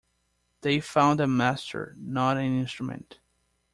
They found a master, not an instrument.